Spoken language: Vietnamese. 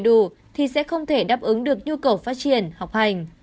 để đáp ứng được nhu cầu phát triển học hành